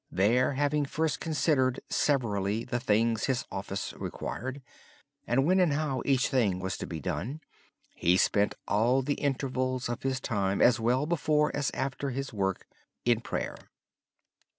There having first considered severally the things his office required, and when and how each thing was to be done, he spent all the intervals of his time, both before and after his work, in prayer.